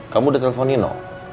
kamu udah telepon nino